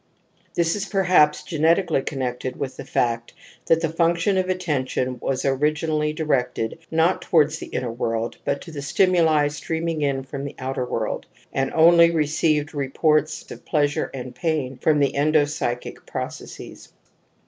This is perhaps genetically connected with the fact that the function of attention was originally directed not towards the inner world, but to the stimuli streaming in from the outer world, and only received reports of pleasure and pain from the endopsychic processes.